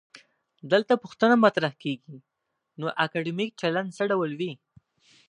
دلته پوښتنه مطرح کيږي: نو اکادمیک چلند څه ډول وي؟